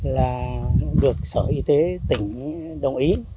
là được sở y tế tỉnh đồng ý